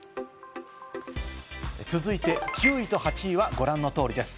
続いて９位と８位はご覧の通りです。